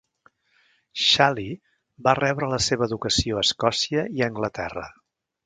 Schally va rebre la seva educació a Escòcia i a Anglaterra.